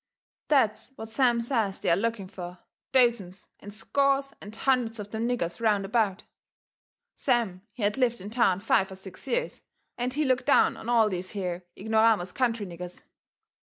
That's what Sam says they are looking fur, dozens and scores and hundreds of them niggers round about. Sam, he had lived in town five or six years, and he looked down on all these here ignoramus country niggers.